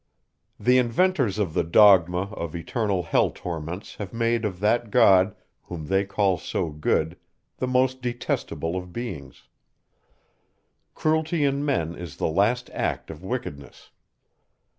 The inventors of the dogma of eternal hell torments have made of that God, whom they call so good, the most detestable of beings. Cruelty in men is the last act of wickedness.